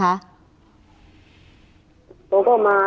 เขาก็มา